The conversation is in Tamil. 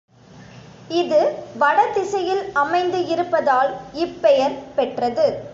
இது வடதிசையில் அமைந்து இருப்பதால் இப்பெயர் பெற்றது.